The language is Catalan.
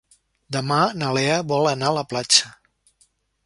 Demà na Lea vol anar a la platja.